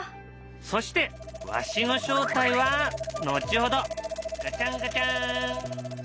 そしてわしの正体は後ほどガチャンガチャン。